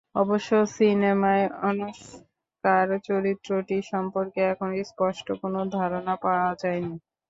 অবশ্য, সিনেমায় আনুশকার চরিত্রটি সম্পর্কে এখনো স্পষ্ট কোনো ধারণা পাওয়া যায়নি।